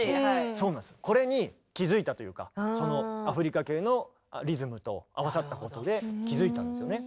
これに気付いたというかそのアフリカ系のリズムと合わさったことで気付いたんですよね。